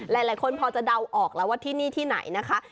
หลายคนพอจะเดาออกแล้วว่าที่นี่ที่ไหนนะคะ